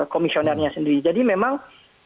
komisionernya sendiri jadi memang